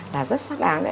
là rất xác đáng